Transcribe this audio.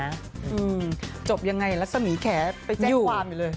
อืมจบยังไงรัศมีแขไปแจ้งความอยู่เลย